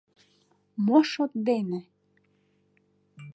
Мо шот дене?».